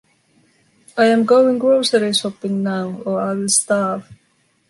I am going grocery shopping now, or I will starve.